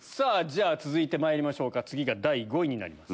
続いてまいりましょうか次が第５位になります。